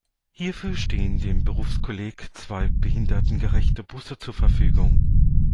Hierfür stehen dem Berufskolleg zwei behindertengerechte Busse zur Verfügung.